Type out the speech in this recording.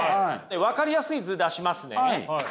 分かりやすい図出しますね。